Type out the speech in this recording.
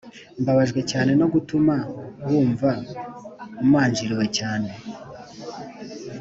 mbabajwe cyane no gutuma wumva umanjiriwe cyane.